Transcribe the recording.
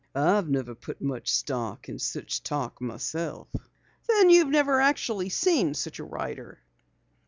I never put much stock in such talk myself." "Then you've never actually seen such a rider?"